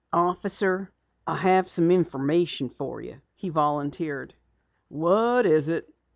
"Officer, I have some more information for you," he volunteered. "What is it?"